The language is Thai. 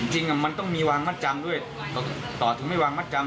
จริงมันต้องมีวางมัดจำด้วยต่อถึงไม่วางมัดจำ